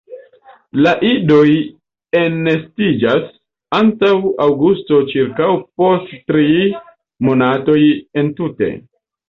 La idoj elnestiĝas antaŭ aŭgusto ĉirkaŭ post tri monatoj entute.